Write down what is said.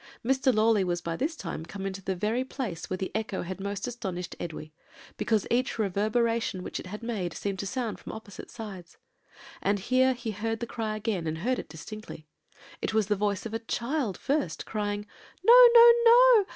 "Mr. Lawley was by this time come into the very place where the echo had most astonished Edwy, because each reverberation which it had made seemed to sound from opposite sides; and here he heard the cry again, and heard it distinctly. It was the voice of a child first, crying, 'No! no! no!